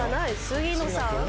杉野さん。